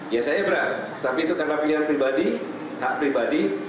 ya saya berat tapi itu karena pilihan pribadi hak pribadi